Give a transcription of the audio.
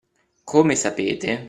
Come sapete.